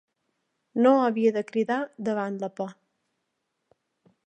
No havia de cridar davant la por.